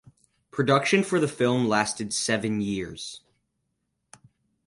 Production for the film lasted seven years.